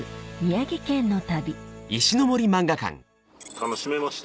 楽しめました？